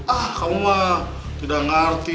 ah kamu wah tidak ngerti